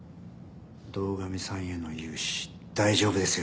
堂上さんへの融資大丈夫ですよ院長。